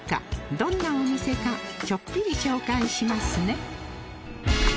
どんなお店かちょっぴり紹介しますね